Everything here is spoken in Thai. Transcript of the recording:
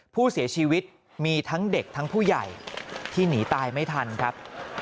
ผู้เสียชีวิตมีทั้งเด็กทั้งผู้ใหญ่ที่หนีตายไม่ทันครับ